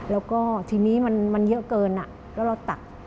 แล้วก็ทีนี้มันเยอะเกินแล้วเราตัก